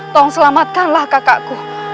saya sudah tahan penyakit